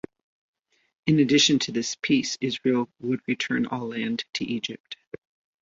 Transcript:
In addition to this peace, Israel would return all land to Egypt.